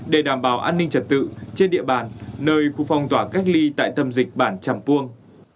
để đảm bảo an ninh trật tự trên địa bàn nơi khu phong tỏa cách ly tại tâm dịch bản tràm puông